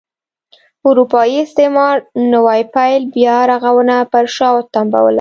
اروپايي استعمار نوي پیل بیا رغونه پر شا وتمبوله.